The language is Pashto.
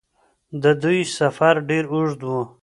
د دوی سفر ډېر اوږد و.